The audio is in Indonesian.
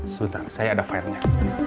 sudah saya ada fire nya